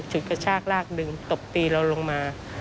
กระชากลากดึงตบตีเราลงมา